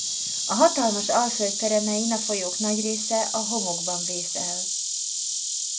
A hatalmas alföld peremein a folyók nagy része a homokban vész el.